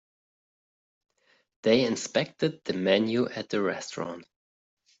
They inspected the menu at the restaurant.